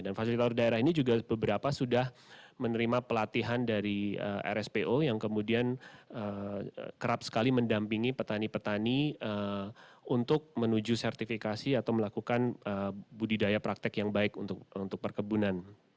dan fasilitator daerah ini juga beberapa sudah menerima pelatihan dari rspo yang kemudian kerap sekali mendampingi petani petani untuk menuju sertifikasi atau melakukan budidaya praktek yang baik untuk perkebunan